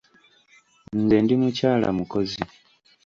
Nze ndi mukyala mukozi.